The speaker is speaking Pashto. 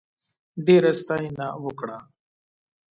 ډېره ستاینه وکړه.